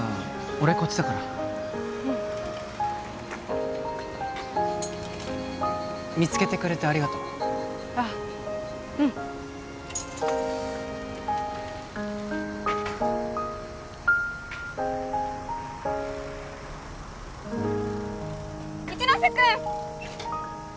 俺こっちだからうんあっ見つけてくれてありがとうあっうん一ノ瀬君！